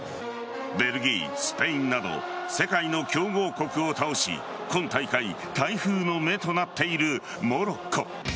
ベルギー、スペインなど世界の強豪国を倒し今大会台風の目となっているモロッコ。